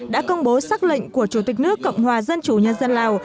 đã công bố xác lệnh của chủ tịch nước cộng hòa dân chủ nhân dân lào